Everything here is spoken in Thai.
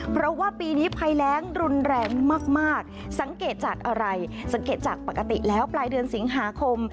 เพราะว่าปีนี้ภัยแรงรุนแรงมากสังเกตจากอะไรสังเกตจากปกติแล้วปลายเดือนสิงหาคม